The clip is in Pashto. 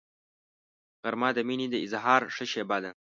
غرمه د مینې د اظهار ښه شیبه ده